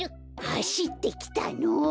はしってきたの！